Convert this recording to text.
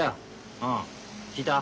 うん聞いた？